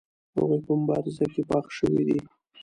هغوی په مبارزه کې پاخه شوي دي.